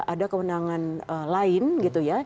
ada kewenangan lain gitu ya